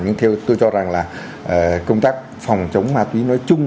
nhưng theo tôi cho rằng là công tác phòng chống ma túy nói chung